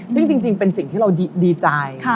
ซึ่งจริงเป็นสิ่งที่เราดีใจ